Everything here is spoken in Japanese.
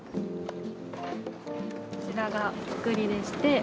こちらがお造りでして。